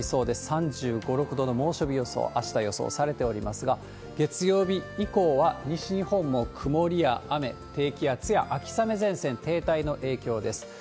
３５、６度の猛暑日予想、あした予想されておりますが、月曜日以降は、西日本も曇りや雨、低気圧や秋雨前線停滞の影響です。